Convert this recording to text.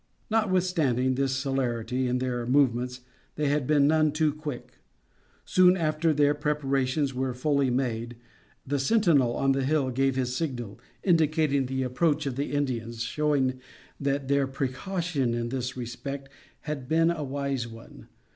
Notwithstanding this celerity in their movements they had been none too quick. Soon after their preparations were fully made, the sentinel on the hill gave his signal indicating the approach of the Indians, showing that their precaution in this respect had been a wise one.